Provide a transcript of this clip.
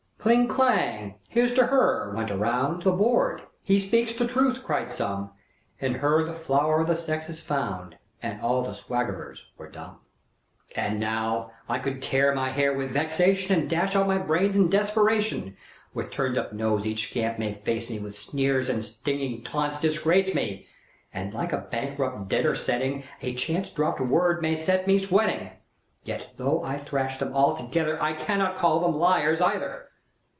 Cling! clang! "Here's to her!" went around The board: "He speaks the truth!" cried some; "In her the flower o' the sex is found!" And all the swaggerers were dumb. And now! I could tear my hair with vexation. And dash out my brains in desperation! With turned up nose each scamp may face me, With sneers and stinging taunts disgrace me, And, like a bankrupt debtor sitting, A chance dropped word may set me sweating! Yet, though I thresh them all together, I cannot call them liars, either.